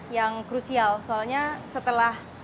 yang krusial soalnya setelah